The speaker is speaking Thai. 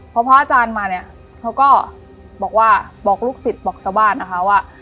พอพระอาจารย์มาเนี่ยเขาก็บอกว่าบอกลูกศิษย์บอกชาวบ้านนะคะว่า